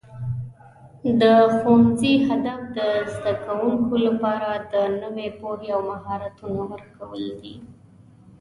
د ښوونځي هدف د زده کوونکو لپاره د نوي پوهې او مهارتونو ورکول دي.